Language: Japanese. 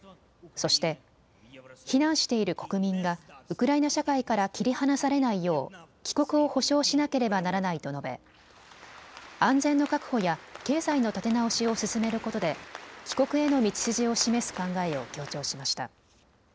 そして、避難している国民がウクライナ社会から切り離されないよう帰国を保証しなければならないと述べ安全の確保や経済の立て直しを進めることで帰国への道筋を示す考えを強調しました。